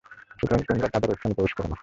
সুতরাং তোমরা তাদের ঐ স্থানে প্রবেশ করো না।